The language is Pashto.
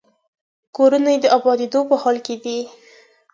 کورونه یې د ابادېدو په حال کې دي.